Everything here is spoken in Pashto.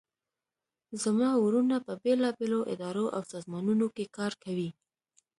زما وروڼه په بیلابیلو اداراو او سازمانونو کې کار کوي